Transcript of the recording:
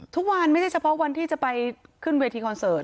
ไม่ใช่เฉพาะวันที่จะไปขึ้นเวทีคอนเสิร์ต